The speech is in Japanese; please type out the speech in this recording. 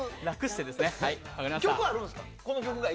曲はあるんですか？